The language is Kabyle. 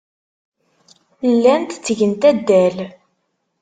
Llant ttgent addal.